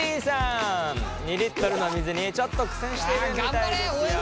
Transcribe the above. ２リットルの水にちょっと苦戦しているみたいですよ。